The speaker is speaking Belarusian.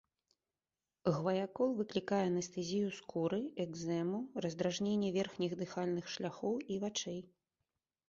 Гваякол выклікае анестэзію скуры, экзэму, раздражненне верхніх дыхальных шляхоў і вачэй.